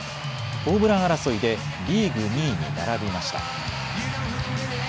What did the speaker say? ホームラン争いでリーグ２位に並びました。